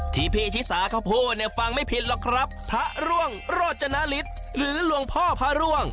ที่พี่ชิสาเขาพูดเนี่ยฟังไม่ผิดหรอกครับพระร่วงโรจนฤทธิ์หรือหลวงพ่อพระร่วง